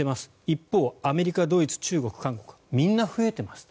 一方、アメリカ、ドイツ中国、韓国みんな増えています。